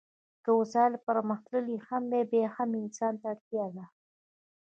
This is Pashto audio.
که وسایل پرمختللي هم وي بیا هم انسان ته اړتیا ده.